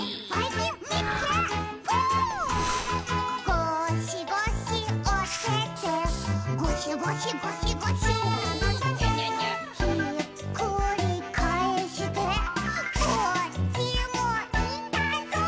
「ゴシゴシおててゴシゴシゴシゴシ」「ひっくりかえしてこっちもいたぞ！」